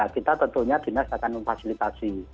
kita tentunya dinas akan memfasilitasi